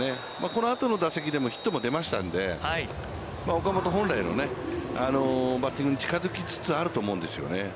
このあとの打席でもヒットも出ましたので、岡本本来のバッティングに近づきつつあると思うんですよね。